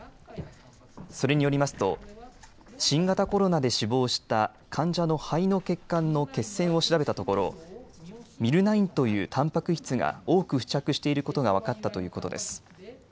それによりますと新型コロナで死亡した患者の肺の血管の血栓を調べたところＭｙｌ９というたんぱく質が多く付着していることが分かったということです。